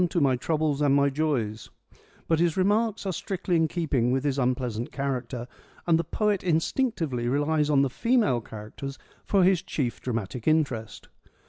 ESCHYLUS AND SOPHOCLES 71 my troubles and my joys ;' but his remarks are strictly in keeping with his unpleasant character, and the poet instinctively relies on the female char acters for his chief dramatic interest.